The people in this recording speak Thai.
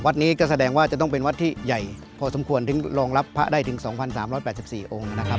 วัดนี้ก็แสดงว่าจะต้องเป็นวัดที่ใหญ่พอสมควรถึงรองรับพระได้ถึง๒๓๘๔องค์นะครับ